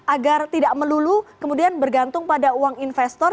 agar tidak melulu kemudian bergantung pada uang investor